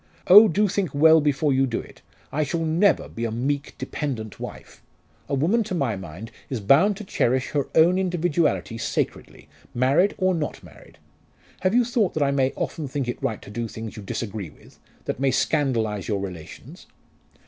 Oh! do think well before you do it. I shall never be a meek, dependent wife. A woman, to my mind, is bound to cherish her own individuality sacredly, married or not married. Have you thought that I may often think it right to do things you disagree with, that may scandalise your relations?"